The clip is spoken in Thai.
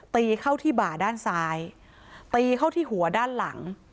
ตีเข้าที่บ่าด้านซ้ายตีเข้าที่หัวด้านหลัง